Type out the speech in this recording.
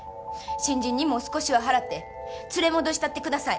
新人にも少しは払って連れ戻したってください。